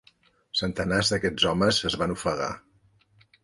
Centenars d'aquests homes es van ofegar.